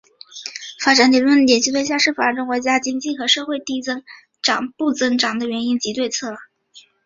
发展理论的研究对象是发展中国家的经济和社会低增长不增长的原因及对策。